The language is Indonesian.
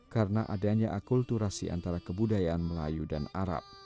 karena adanya akulturasi antara kebudayaan melayu dan arab